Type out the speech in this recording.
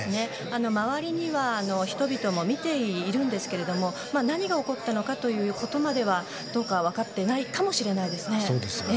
周りには人々も見ているんですけれども何が起こったのかということまでは分かっていないかもしれないですね。